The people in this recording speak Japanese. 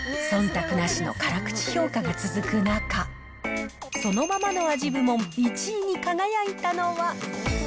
そんたくなしの辛口評価が続く中、そのままの味部門１位に輝いたのは。